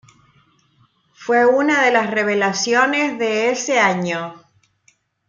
Fue una de las revelaciones de ese año.